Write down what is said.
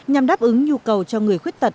nhằm đáp ứng nhu cầu cho người khuyết tật